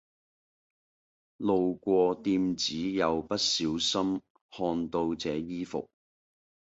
路過店子又不小心看到這衣服